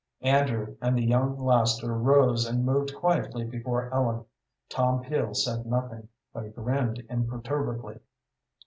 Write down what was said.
Andrew and the young laster rose and moved quietly before Ellen. Tom Peel said nothing, but he grinned imperturbably.